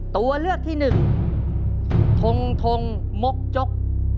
ตัวเลือกที่หนึ่งทงทงมกจก